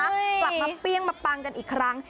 กลับมาเปรี้ยงมาปังกันอีกครั้ง